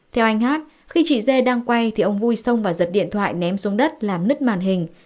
theo anh hát khi chị dê đang quay thì ông vui xông vào giật điện thoại ném xuống đất làm nứt màn hình